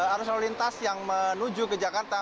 arus lalu lintas yang menuju ke jakarta